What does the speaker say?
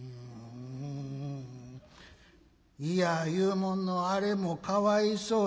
いや言うもんのあれもかわいそうなおなごやな。